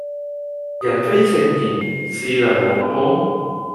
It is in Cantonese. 人非聖賢孰能無過